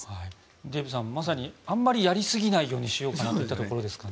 デーブさん、まさにあんまりやりすぎないようにしようといったところですかね。